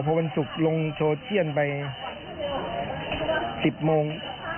พอวันศุกร์ลงโชว์เทียนไป๑๐โมง